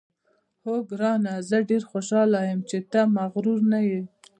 اوه ګرانه، زه ډېره خوشاله یم چې ته مغرور نه یې.